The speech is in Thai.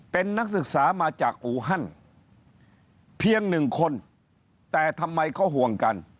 เป็นนักศึกษามาจากอูฮันเพียงหนึ่งคนแต่ทำไมเขาห่วงกัน